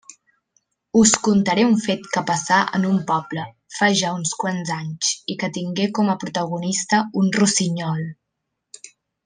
Us contaré un fet que passà en un poble, fa ja uns quants anys, i que tingué com a protagonista un rossinyol.